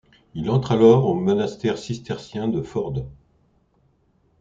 Il entre alors au monastère cistercien de Forde.